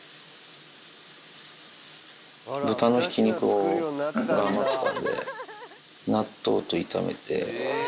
豚のひき肉が余ってたんで、納豆と炒めて。